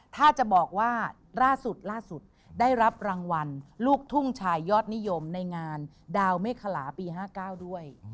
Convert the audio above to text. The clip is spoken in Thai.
ถ้าจะบอกว่าล่าสุดล่าสุดได้รับรางวัลลูกทุ่งชายยอดนิยมในงานดาวเมฆขลาปี๕๙ด้วย